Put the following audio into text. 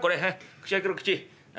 口開けろ口。